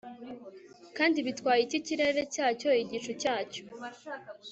Kandi bitwaye iki ikirere cyacyo igicu cyacyo